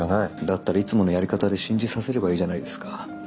だったらいつものやり方で信じさせればいいじゃないですか。